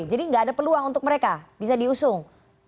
jadi gak ada peluang untuk mereka bisa diusung